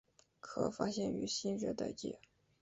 可发现于新热带界。